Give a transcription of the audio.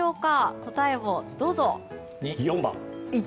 答えを、どうぞ。